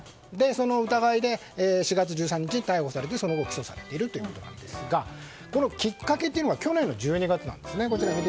その疑いで４月１３日に逮捕されてその後起訴されているということですがこのきっかけというのが去年の１２月です。